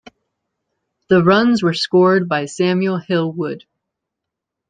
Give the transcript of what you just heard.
The runs were scored by Samuel Hill Wood.